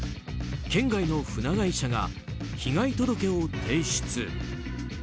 県外の船会社が被害届を提出。